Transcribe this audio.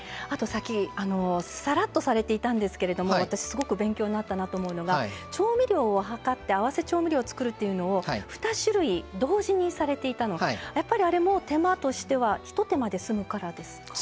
さらっとされていたんですけど私、すごく勉強になったなと思うのが調味料をはかって合わせ調味料を作るというのを２種類、同時にされていたのやっぱり、あれも手間としてはひと手間で済むからですか。